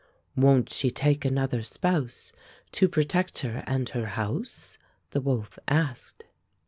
"Won't she take another spouse To protect her and her house?" the wolf asked.